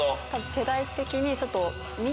世代的にちょっと。